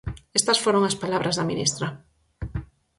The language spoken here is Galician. Estas foron as palabras da Ministra...